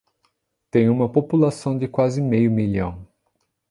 Tem uma população de quase meio milhão.